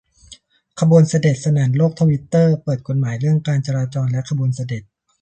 ขบวนเสด็จ สนั่นโลกทวิตเตอร์ เปิดกฎหมายเรื่องการจราจรและขบวนเสด็จ